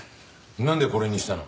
なんでこれにしたの？